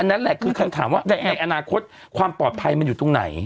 นั่นแหละคือคำถามว่าในอนาคตความปลอดภัยมันอยู่ตรงไหน